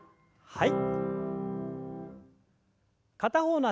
はい。